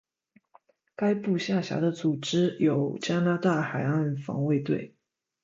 该部下辖的组织有加拿大海岸防卫队。